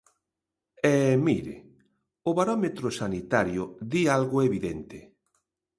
E mire: o barómetro sanitario di algo evidente.